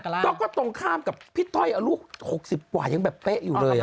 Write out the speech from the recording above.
แล้วก็ตรงข้ามกับพี่ต้อยอายุ๖๐กว่ายังแบบเป๊ะอยู่เลย